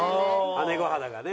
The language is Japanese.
姉御肌がね。